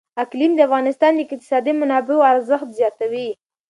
اقلیم د افغانستان د اقتصادي منابعو ارزښت زیاتوي.